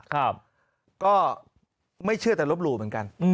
ก็ไม่เชื่อแต่ลบหลู่เหมือนกัน